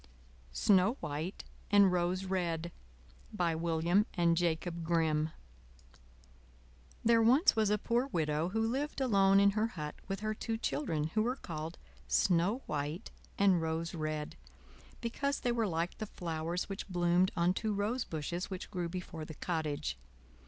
SNOW WHITE AND ROSE RED By William and Jacob Grimm There was once a poor Widow who lived alone in her hut with her two children, who were called Snow White and Rose Red, because they were like the flowers which bloomed on two rosebushes which grew before the cottage.